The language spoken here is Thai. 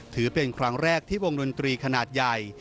ถือเป็นครั้งแรกที่วงดนตรีขนาดใหญ่